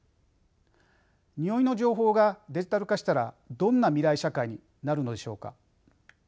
においの情報がデジタル化したらどんな未来社会になるのでしょうか？